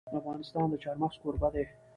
افغانستان د چار مغز کوربه دی.